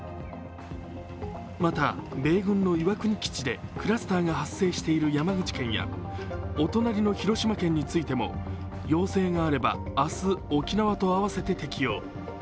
また、米軍の岩国基地でクラスターが発生している山口県やお隣の広島県についても要請があれば明日、沖縄と合わせて適用。